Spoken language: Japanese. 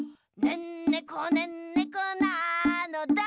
「ねんねこ」「ねんねこなのだ」